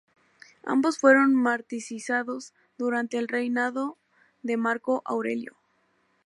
Ambos fueron martirizados durante el reinado de Marco Aurelio.